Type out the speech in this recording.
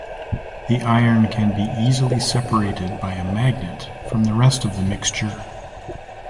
The iron can be easily separated by a magnet from the rest of the mixture.